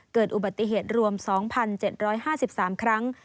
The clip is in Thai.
เกิดอุบัติเหตุรวม๒๗๕๓ครั้ง